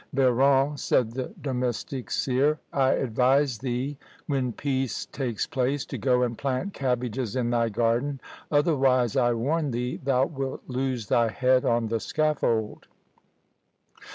"Biron," said the domestic seer, "I advise thee, when peace takes place, to go and plant cabbages in thy garden, otherwise I warn thee, thou wilt lose thy head on the scaffold!"